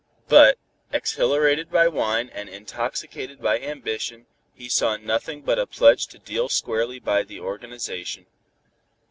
But, exhilarated by wine and intoxicated by ambition, he saw nothing but a pledge to deal squarely by the organization.